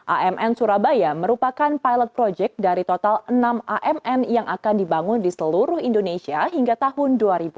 amn surabaya merupakan pilot project dari total enam amn yang akan dibangun di seluruh indonesia hingga tahun dua ribu dua puluh